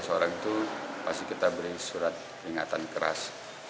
lima belas orang itu pasti kita beri surat ingatan keras